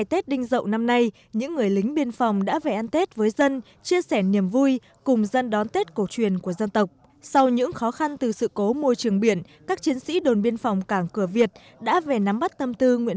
tết đình rộng năm nay mặc dù còn gặp nhiều khó khăn do sự cố môi trường biển